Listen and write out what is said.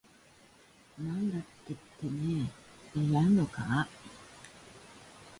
なんだててめぇややんのかぁ